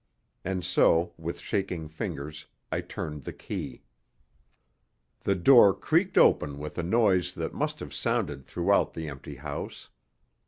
And so, with shaking fingers, I turned the key. The door creaked open with a noise that must have sounded throughout the empty house.